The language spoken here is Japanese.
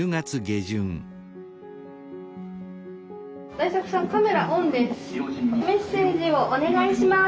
大作さんカメラオンです。